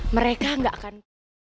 mereka gak akan